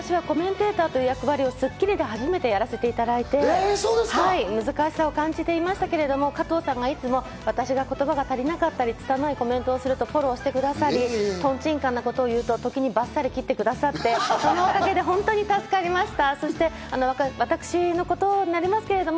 私はコメンテーターという役割を『スッキリ』で初めてやらせていただいて、難しさを感じていましたが、加藤さんがいつも私が言葉が足らなかったり、拙いコメントをするとフォローしてくださって、トンチンカンなことを言うとバッサリ斬ってくださって、そのおかげで本当に助かりました。